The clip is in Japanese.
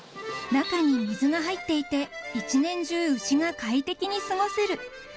［中に水が入っていて１年中牛が快適に過ごせる］